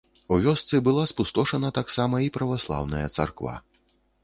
У вёсцы была спустошана таксама і праваслаўная царква.